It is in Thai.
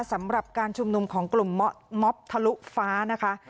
สำหรับการชุมนุมของกลุ่มม็อบทะลุฟ้านะคะ